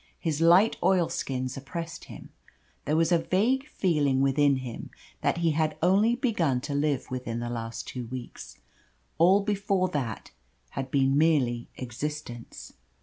His light oil skins oppressed him. There was a vague feeling within him that he had only begun to live within the last two weeks all before that had been merely existence.